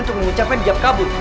untuk mengecapkan jab kabut